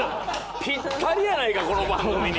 ピッタリやないかこの番組に。